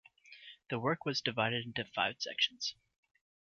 The work was divided into five sections.